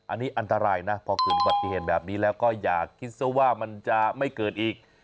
อันนี้อันตรายนะพอเกิดอุบัติเหตุแบบนี้แล้วก็อย่าคิดซะว่ามันจะไม่เกิดอีก